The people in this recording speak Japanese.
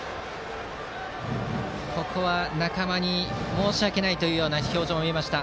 ここは仲間に申し訳ないという表情も見えました。